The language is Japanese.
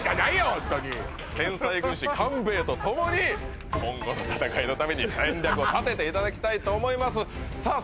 ホントに天才軍師官兵衛とともに今後の戦いのために戦略を立てていただきたいと思いますさあ